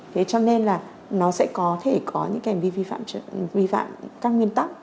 thế cho nên là nó sẽ có thể có những cái hành vi vi phạm các nguyên tắc